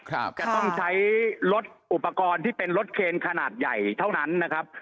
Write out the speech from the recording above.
จะต้องใช้รถอุปกรณ์ที่เป็นรถเคนขนาดใหญ่เท่านั้นนะครับ